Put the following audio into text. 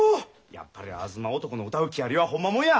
やっぱり東男の歌う木遣りはホンマもんや！